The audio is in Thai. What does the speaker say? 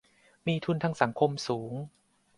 มีทุนทางสังคมสูง